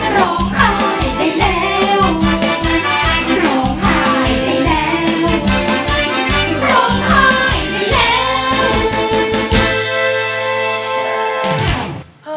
ร้องให้ได้เร็ว